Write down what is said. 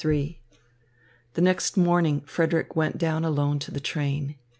XXIII The next morning Frederick went down alone to the train.